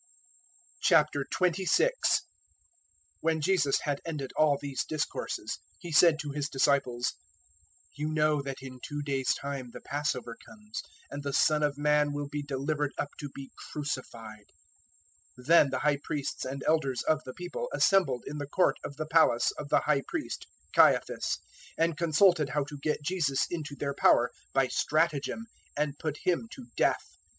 026:001 When Jesus had ended all these discourses, He said to His disciples, 026:002 "You know that in two days' time the Passover comes. And the Son of Man will be delivered up to be crucified." 026:003 Then the High Priests and Elders of the People assembled in the court of the palace of the High Priest Caiaphas, 026:004 and consulted how to get Jesus into their power by stratagem and put Him to death.